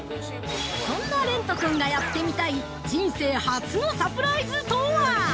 そんな蓮人君がやってみたい人生初のサプライズとは？